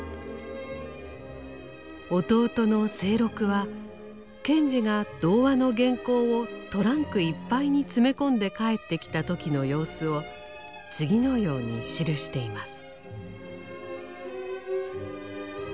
弟の清六は賢治が童話の原稿をトランクいっぱいに詰め込んで帰ってきた時の様子を次のように記しています。